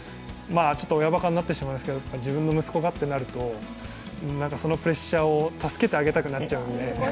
親ばかになってしまいますけど、自分の息子がってなると、そのプレッシャーを助けてあげたくなっちゃうので。